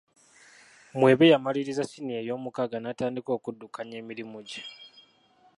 Mwebe yamaliriza ssiniya eyomukaaga n'atandika okuddukanya emirimu gye